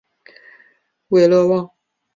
韦勒旺。